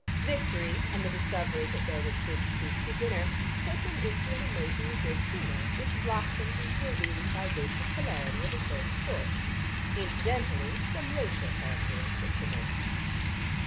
Victory, and the discovery that there was bisque soup for dinner put him into an amazingly good humour which blossomed into a really vivacious hilarity of a certain sort. Incidentally, some racial characteristics emerged.